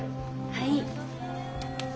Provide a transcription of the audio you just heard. はい。